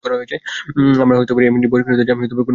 আমার এমনি ভয় করিত যে, আমি কোনোমতেই যাইতে পারিতাম না।